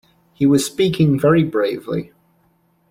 He was speaking very bravely.